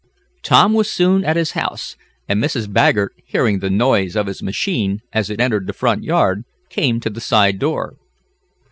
Tom was soon at his home, and Mrs. Baggert, hearing the noise of his machine, as it entered the front yard, came to the side door.